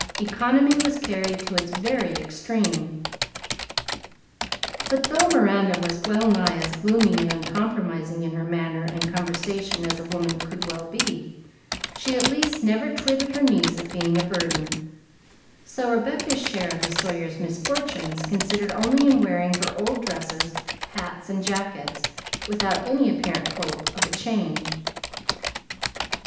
Economy was carried to its very extreme; but though Miranda was well nigh as gloomy and uncompromising in her manner and conversation as a woman could well be, she at least never twitted her niece of being a burden; so Rebecca's share of the Sawyers' misfortunes consisted only in wearing her old dresses, hats, and jackets, without any apparent hope of a change.